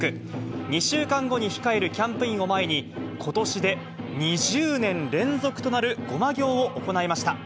２週間後に控えるキャンプインを前に、ことしで２０年連続となる護摩行を行いました。